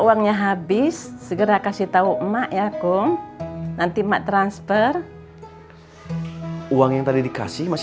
uangnya habis segera kasih tahu emak ya kong nanti mak transfer uang yang tadi dikasih masih